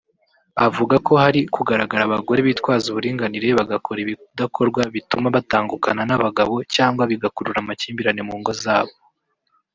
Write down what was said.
avuga ko hari kugaragara abagore bitwaza uburinganire bagakora ibidakorwa bituma batangukana n’abagabo cyangwa bigakurura amakimbirane mungo zabo